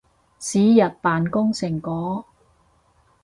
是日扮工成果